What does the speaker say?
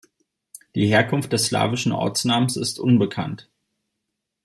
Die Herkunft des slawischen Ortsnamens ist unbekannt.